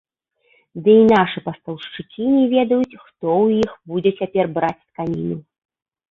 Ды і нашы пастаўшчыкі не ведаюць, хто ў іх будзе цяпер браць тканіну.